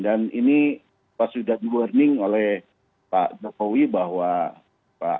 dan ini sudah di learning oleh pak jokowi bahwa ada situasi